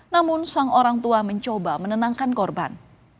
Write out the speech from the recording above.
namun sang orang tua mencoba menenangkan korban